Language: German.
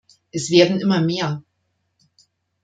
Es werden immer mehr.